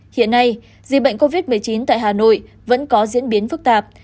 hiện nay dịch bệnh covid một mươi chín tại hà nội vẫn có diễn biến phức tạp